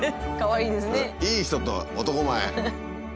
「いい人」と「男前」。